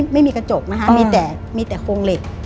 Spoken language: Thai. ไม่มีกระจกมีแต่โครงเหล็ก